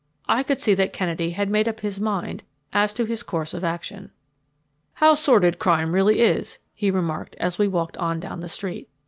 I could see that Kennedy had made up his mind as to his course of action. "How sordid crime really is," he remarked as we walked on down the street.